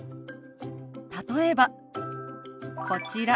例えばこちら。